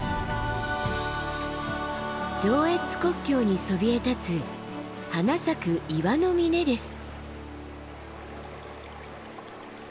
上越国境にそびえ立つ花咲く岩の峰です。